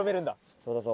そうだぞ。